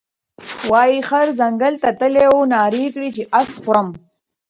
وايې خر ځنګل ته تللى وو نارې یې کړې چې اس خورم،